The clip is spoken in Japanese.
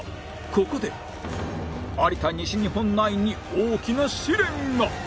ここで有田西日本ナインに大きな試練が！